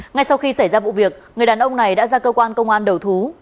ngay sau khi xảy ra vụ việc người đàn ông này đã ra cơ quan công an đầu thú